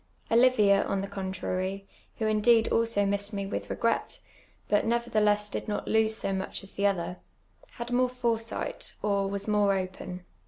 Olivia, on the contrar}*, who indeed also missed me with refi^ret, but nevertheless did not lose so much as the other, had more foresiijht. or was more open.